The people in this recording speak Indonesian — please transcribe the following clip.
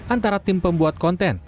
antara tim pembuat konten